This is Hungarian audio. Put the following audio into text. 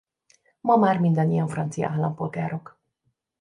Ma már mindannyian francia állampolgárok.